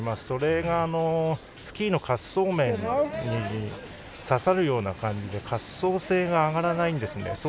それがスキーの滑走面に刺さるような感じで滑走性が上がらないんですね。